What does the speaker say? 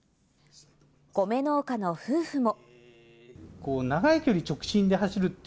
米農家の夫婦も。